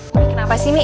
umi kenapa sih mi